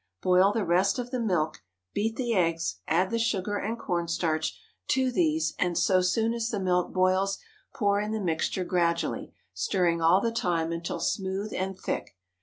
Boil the rest of the milk. Beat the eggs, add the sugar and corn starch to these, and so soon as the milk boils pour in the mixture gradually, stirring all the time until smooth and thick.